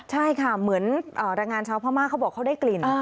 ใช่ค่ะเหมือนแรงงานชาวพม่าเขาบอกเขาได้กลิ่น